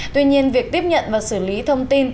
tuy nhiên việc tiếp nhận và xử lý thông tin